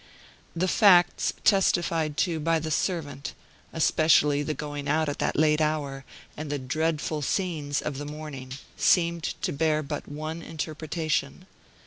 The facts testified to by the servant, especially the going out at that late hour, and the "dreadful scenes" of the morning, seemed to bear but one interpretation.